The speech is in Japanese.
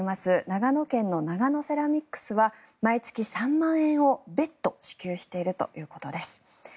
長野県の長野セラミックスは毎月３万円を別途支給しているということです。